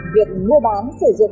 việc mua bán sử dụng